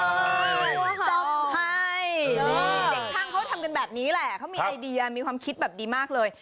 ซ่อมให้นี่เด็กช่างเขาทำกันแบบนี้แหละเขามีไอเดียมีความคิดแบบดีมากเลย